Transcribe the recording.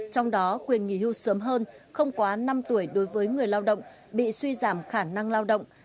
trong đó quyền nghỉ hưu sớm hơn không quá năm tuổi đối với người lao động bị suy giảm khả năng lao động